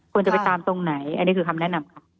ควรจะไปตามตรงไหนอันนี้คือคำแนะนำค่ะ